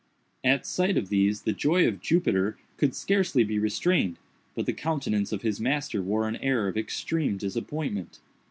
At sight of these the joy of Jupiter could scarcely be restrained, but the countenance of his master wore an air of extreme disappointment.